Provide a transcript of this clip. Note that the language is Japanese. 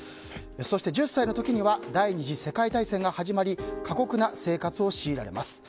そして、１０歳の時には第２次世界大戦が始まり過酷な生活を強いられます。